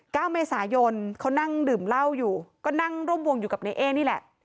เก้าเมษายนเขานั่งดื่มเหล้าอยู่ก็นั่งร่วมวงอยู่กับในเอ๊นี่แหละ